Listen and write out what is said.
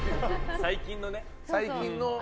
最近のね。